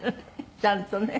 ちゃんとね。